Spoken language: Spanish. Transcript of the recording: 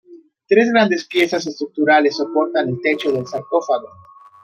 Tres grandes piezas estructurales soportan el techo del Sarcófago.